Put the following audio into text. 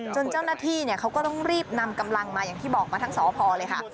เจ้าหน้าที่เขาก็ต้องรีบนำกำลังมาอย่างที่บอกมาทั้งสพเลยค่ะ